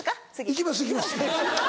いきますいきます。